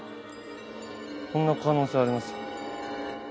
こんな可能性あります？